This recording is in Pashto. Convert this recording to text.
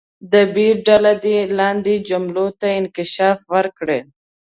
د ب ډله دې لاندې جملې ته انکشاف ورکړي.